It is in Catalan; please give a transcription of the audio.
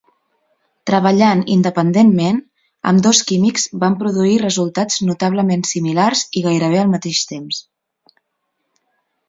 Treballant independentment, ambdós químics van produir resultats notablement similars i gairebé al mateix temps.